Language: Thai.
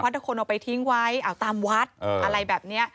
ถ้าคนเอาไปทิ้งไว้ตามวัดอะไรแบบนี้